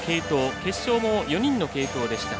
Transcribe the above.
決勝も４人の継投でした。